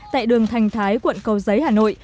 tại đường thành thái quận cầu giấy hà nội